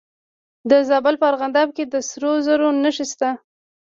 د زابل په ارغنداب کې د سرو زرو نښې شته.